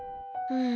うん。